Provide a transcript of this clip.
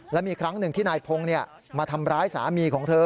และมีครั้งหนึ่งที่นายพงศ์มาทำร้ายสามีของเธอ